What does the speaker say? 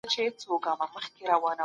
هغوی هڅه کوي چې علم خپور کړي.